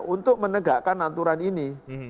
untuk menegakkan aturan ini